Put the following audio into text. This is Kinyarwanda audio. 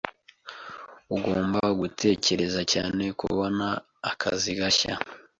Ugomba gutekereza cyane kubona akazi gashya.